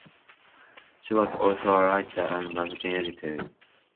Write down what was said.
She was also a writer and magazine editor.